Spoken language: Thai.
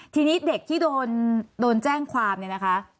ทีนี้เด็กที่โดนแจ้งความเนี่ยนะคะ